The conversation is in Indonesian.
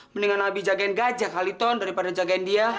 mendingan abi jagain gajah kali ton daripada jagain dia